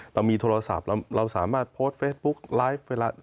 เรามีโทรศัพท์เราสามารถโพสต์เฟซบุ๊กไลฟ์